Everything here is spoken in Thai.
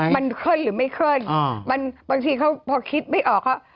มันขึ้นหรือไม่ขึ้นบางทีเขาพอคิดไม่ออกว่า